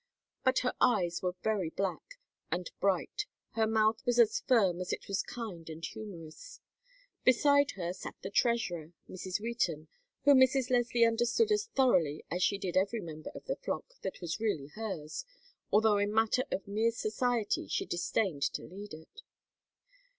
But her eyes were very black and bright, her mouth was as firm as it was kind and humorous. Beside her sat the Treasurer, Mrs. Wheaton, whom Mrs. Leslie understood as thoroughly as she did every member of the flock that was really hers, although in matters of mere society she disdained to lead it.